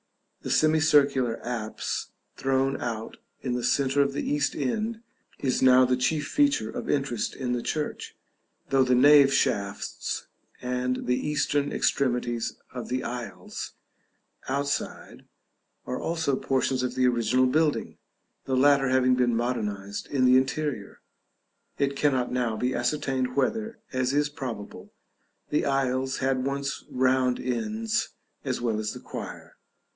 The semicircular apse, thrown out in the centre of the east end, is now the chief feature of interest in the church, though the nave shafts and the eastern extremities of the aisles, outside, are also portions of the original building; the latter having been modernized in the interior, it cannot now be ascertained whether, as is probable, the aisles had once round ends as well as the choir.